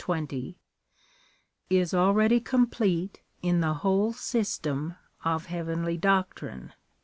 20,) is already complete in the whole system of heavenly doctrine.